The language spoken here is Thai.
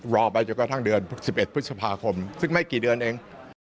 รอไปจนกระทั่งเดือน๑๑พฤษภาคมซึ่งไม่กี่เดือนเอง